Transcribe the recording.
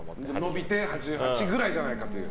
伸びて８８ぐらいじゃないかという。